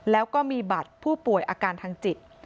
แล้วก็มีบัตรผู้ป่วยอาการทางจิต